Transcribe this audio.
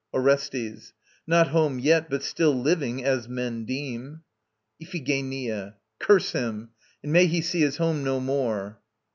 ORESTES. Not home yet, but still living, as men deem. IPHIGENIA. Curse him! And may he see his home no more.